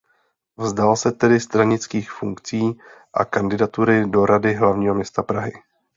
Vzdal se tedy stranických funkcí a kandidatury do Rady Hlavního města Prahy.